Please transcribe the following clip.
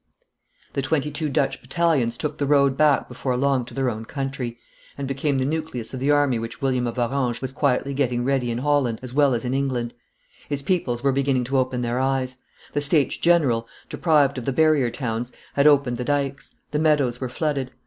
The twenty two Dutch battalions took the road back before long to their own country, and became the nucleus of the army which William of Orange was quietly getting ready in Holland as well as in England; his peoples were beginning to open their eyes; the States General, deprived of the barrier towns, had opened the dikes; the meadows were flooded.